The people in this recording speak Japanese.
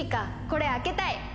これ開けたい！